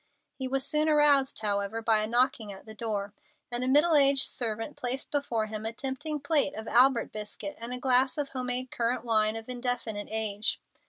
He was soon aroused, however, by a knocking at the door, and a middle aged servant placed before him a tempting plate of Albert biscuit and a glass of home made currant wine of indefinite age.